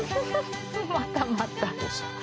またまた。